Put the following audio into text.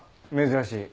珍しい。